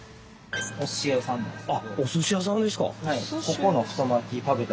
おすし屋さんですか？